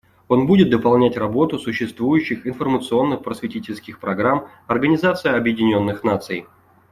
Он будет дополнять работу существующих информационно-просветительских программ Организации Объединенных Наций.